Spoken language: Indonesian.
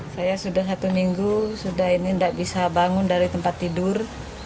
saya sudah satu minggu sudah ini tidak bisa bangun dari tempat tidur